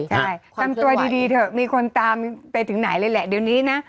ใช่ทำตัวดีเถอะมีคนตามไปถึงไหนเลยแหละเดี๋ยวนี้นะ